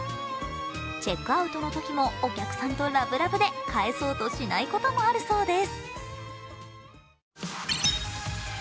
チェックアウトのときもお客さんとラブラブで帰そうとしないこともあるそうです。